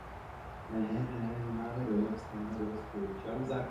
Tématem písně je pomsta.